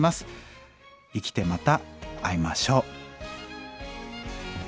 生きてまた会いましょう。